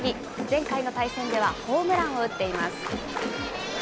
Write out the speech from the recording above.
前回の対戦ではホームランを打っています。